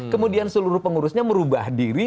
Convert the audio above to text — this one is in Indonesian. kemudian seluruh pengurusnya merubah diri